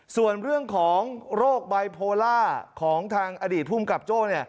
ส่วนเรื่องของโรคไบโพล่าของทางอดีตภูมิกับโจ้